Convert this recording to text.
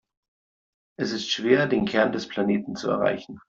Es ist schwer, den Kern des Planeten zu erreichen.